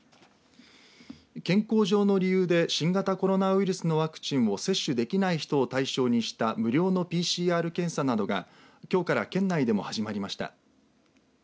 健康上の理由で新型コロナウイルスのワクチンを接種できない人を対象にした無料のＰＣＲ検査などがきょうから県内でも始まりました。